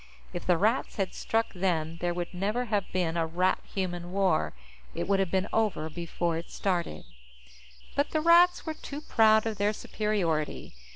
If the Rats had struck then, there would never have been a Rat Human War. It would have been over before it started. But the Rats were too proud of their superiority.